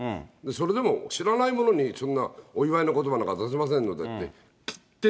それでも知らないものに、そんなお祝いのことばなんか出せません